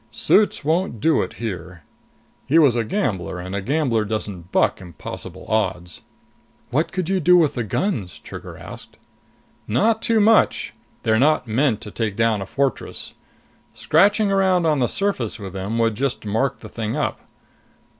Suits won't do it here." He was a gambler, and a gambler doesn't buck impossible odds. "What could you do with the guns?" Trigger asked. "Not too much. They're not meant to take down a fortress. Scratching around on the surface with them would just mark the thing up.